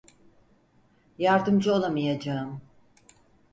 Yardımcı olamayacağım.